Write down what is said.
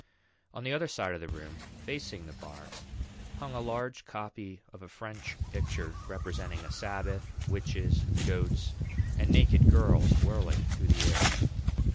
On the other side of the room, facing the bar, hung a large copy of a French picture representing a Sabbath, witches, goats, and naked girls whirling through the air.